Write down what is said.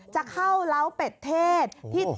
จะเข้าเล้าเป็ดเทศ